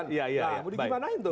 nah mau dikimanain tuh